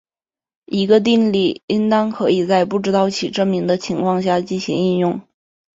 一个定理应当可以在不知道其证明的情况下进行应用。